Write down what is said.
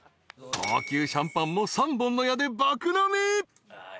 ［高級シャンパンも三本の矢で爆飲み］